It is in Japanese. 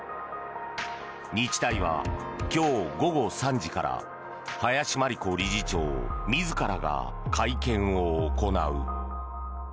日大は今日午後３時から林真理子理事長自らが会見を行う。